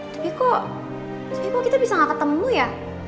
tapi kok ibu kita bisa gak ketemu ya